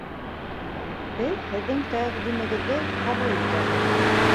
Беҙ һеҙҙең тәҡдимегеҙҙе ҡабул итәбеҙ.